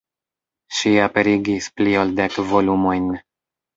Ŝi aperigis pli ol dek volumojn.